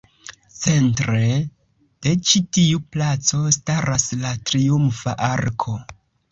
Centre de ĉi tiu placo, staras la Triumfa Arko.